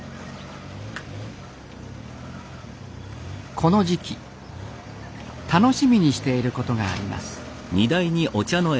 この時期楽しみにしていることがあります